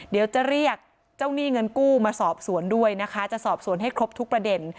เดี๋ยวจะเรียกเจ้าหนี้เงินกู้มาสอบสวนด้วยนะคะจะสอบสวนให้ครบทุกประเด็น